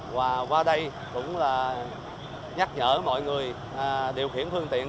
và qua đây cũng là nhắc nhở mọi người điều khiển phương tiện